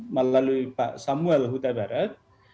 melalui pak samuel hutaibarat